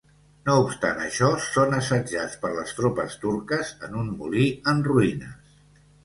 No obstant això, són assetjats per les tropes turques en un molí en ruïnes.